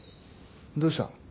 どうした？